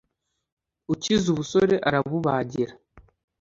ukize ubusore arabubagira